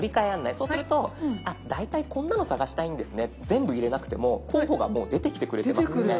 そうすると大体こんなの探したいんですね全部入れなくても候補がもう出てきてくれてます。